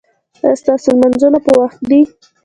ایا ستاسو لمونځونه په وخت دي؟